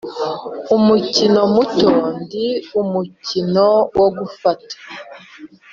"umukino muto ndi umukino wo gufata,